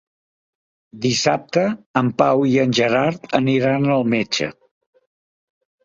Dissabte en Pau i en Gerard aniran al metge.